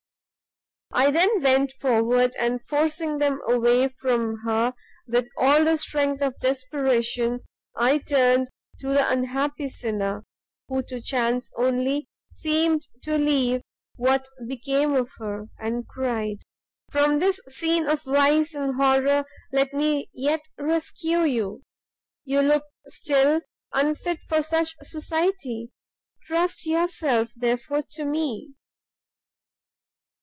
"I then went forward, and forcing them away from her with all the strength of desperation, I turned to the unhappy sinner, who to chance only seemed to leave what became of her, and cried, From this scene of vice and horror let me yet rescue you! you look still unfit for such society, trust yourself, therefore, to me.